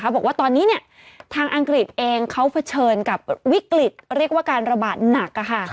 บอกว่าตอนนี้ทางอังกฤษเองเขาเผชิญกับวิกฤตเรียกว่าการระบาดหนัก